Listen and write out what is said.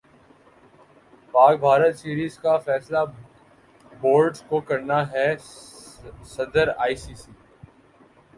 پاک بھارت سیریز کا فیصلہ بورڈ زکو کرنا ہےصدر ائی سی سی